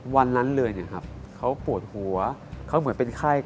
วันนั้นเลยเขาปวดหัวเขาเหมือนเป็นไข้